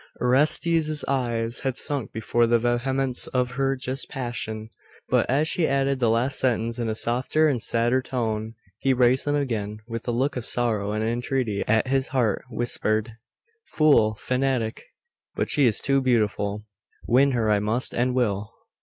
Orestes's eyes had sunk before the vehemence of her just passion; but as she added the last sentence in a softer and sadder tone, he raised them again, with a look of sorrow and entreaty as his heart whispered 'Fool! fanatic! But she is too beautiful! Win her I must and will!